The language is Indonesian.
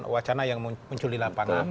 wacana yang muncul di lapangan